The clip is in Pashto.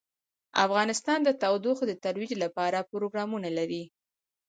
افغانستان د تودوخه د ترویج لپاره پروګرامونه لري.